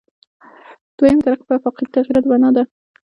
دویمه طریقه په آفاقي تغییراتو بنا ده.